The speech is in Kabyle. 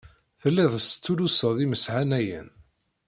Telliḍ testulluseḍ imeshanayen.